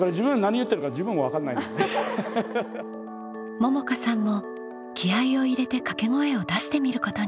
ももかさんも気合いを入れて掛け声を出してみることに。